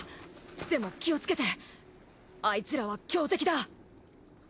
でも気をつけてアイツらは強敵だ。